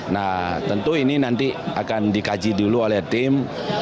nah tentu ini nanti akan dikaji dulu oleh tim